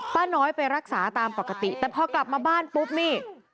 ป้าน้อยไปรักษาตามปกติแต่พอกลับมาบ้านปุ๊บนี่